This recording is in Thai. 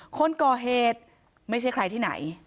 คนก่อเหตุไม่ใช่ใครที่ไหน